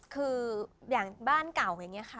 คืออย่างบ้านเก่าอย่างนี้ค่ะ